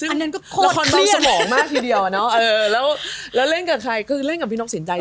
อันนั้นก็โคตรเครียดละครเบาสมองมากทีเดียวนะแล้วเล่นกับใครคือเล่นกับพี่น้องสินใจ